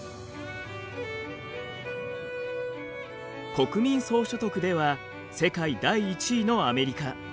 国民総所得では世界第１位のアメリカ。